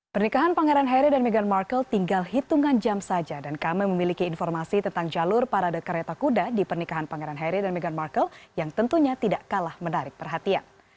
pernikahan pangeran harry dan meghan markle tinggal hitungan jam saja dan kami memiliki informasi tentang jalur parade kereta kuda di pernikahan pangeran harry dan meghan markle yang tentunya tidak kalah menarik perhatian